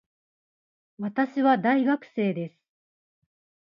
私は大学生です